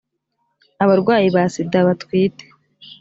abarwayi ba sida batwite